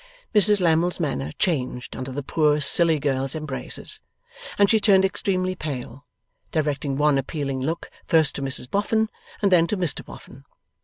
Mrs Lammle's manner changed under the poor silly girl's embraces, and she turned extremely pale: directing one appealing look, first to Mrs Boffin, and then to Mr Boffin.